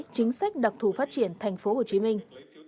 chính sách đặc thù phát triển thành phố hồ chí minh